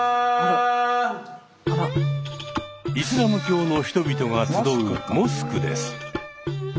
イスラム教の人々が集うモスクです。